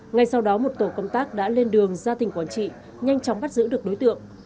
ngay sau đó một tổ công tác đã lên đường ra tỉnh quảng trị nhanh chóng bắt giữ được đối tượng